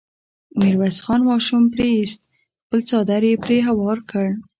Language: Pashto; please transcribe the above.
ميرويس خان ماشوم پرې ايست، خپل څادر يې پرې هوار کړ.